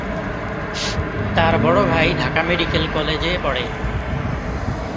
তার বড় ভাই ঢাকা মেডিকেল কলেজে পড়ে।